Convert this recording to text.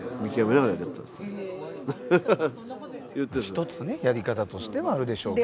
一つねやり方としてはあるでしょうけど。